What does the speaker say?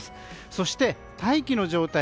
そして大気の状態